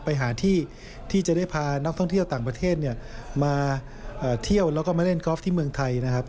ไปหาที่ที่จะได้พานักท่องเที่ยวต่างประเทศมาเที่ยวแล้วก็มาเล่นกอล์ฟที่เมืองไทยนะครับ